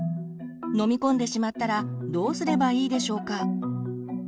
飲み込んでしまったらどうすればいいでしょうか？